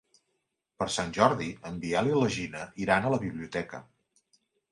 Per Sant Jordi en Biel i na Gina iran a la biblioteca.